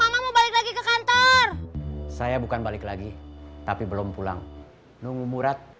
mama mau balik lagi ke kantor saya bukan balik lagi tapi belum pulang nunggu murad